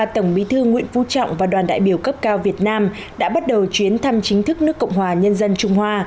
tổng bí thư nguyễn phú trọng và đoàn đại biểu cấp cao việt nam đã bắt đầu chuyến thăm chính thức nước cộng hòa nhân dân trung hoa